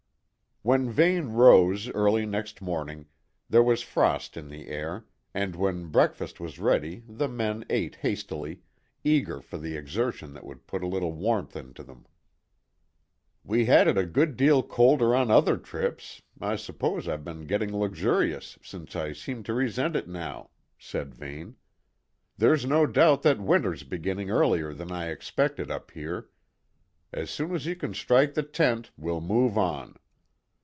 When Vane rose early next morning, there was frost in the air, and when breakfast was ready the men ate hastily, eager for the exertion that would put a little warmth into them. "We had it a good deal colder on other trips; I suppose I've been getting luxurious, since I seem to resent it now," said Vane. "There's no doubt that winter's beginning earlier than I expected up here; As soon as you can strike the tent, we'll move on."